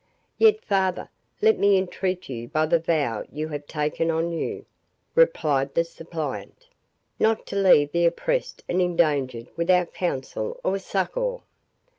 "Yet, father, let me entreat you by the vow you have taken on you," replied the suppliant, "not to leave the oppressed and endangered without counsel or succour."